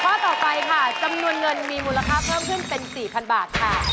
ข้อต่อไปค่ะจำนวนเงินมีมูลค่าเพิ่มขึ้นเป็น๔๐๐๐บาทค่ะ